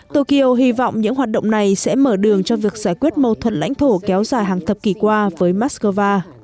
tokyo hy vọng những hoạt động này sẽ mở đường cho việc giải quyết mâu thuẫn lãnh thổ kéo dài hàng thập kỷ qua với moscow